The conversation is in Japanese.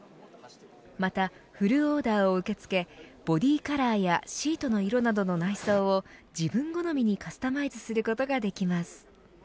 また、フルオーダーを受け付けボディカラーやシートの色などの内装を自分好みにカスタマイズすることができます。